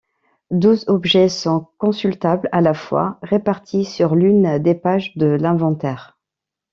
Douze objets sont consultables à la fois, réparties sur l'une des pages de l'inventaire.